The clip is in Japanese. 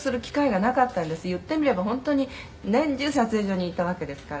「言ってみれば本当に年中撮影所にいたわけですから」